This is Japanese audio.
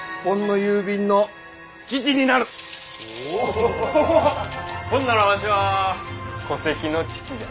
ほんならわしは戸籍の父じゃ！